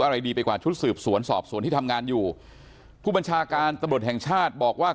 อะไรดีไปกว่าชุดสืบสวนสอบสวนที่ทำงานอยู่ผู้บัญชาการตำรวจแห่งชาติบอกว่า